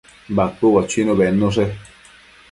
Bacuëbo chuinu bednushe